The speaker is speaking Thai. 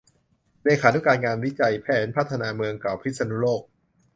เลขานุการงานวิจัยแผนพัฒนาเมืองเก่าพิษณุโลก